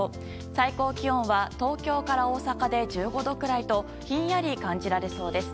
最高気温は東京から大阪で１５度くらいとひんやり感じられそうです。